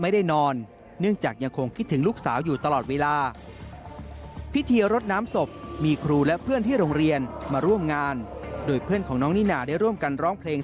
โดยเพื่อนของน้องนี่น่าได้ร่วมกันร้องเพลง